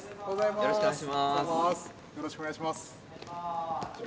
よろしくお願いします。